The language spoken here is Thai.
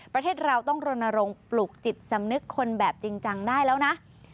ประเทศเราต้องรณรงค์ปลุกจิตสำนึกคนแบบจริงจังได้แล้วนะ